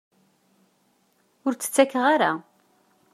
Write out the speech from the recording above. Ur tt-kkateɣ ara.